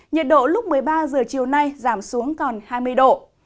nhiệt độ lúc một mươi ba giờ chiều nay giảm xuống còn hai mươi độ